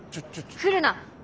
来るな。